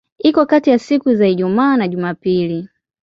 Iko kati ya siku za Ijumaa na Jumapili.